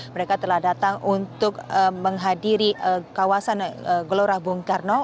mereka telah datang untuk menghadiri kawasan gelora bung karno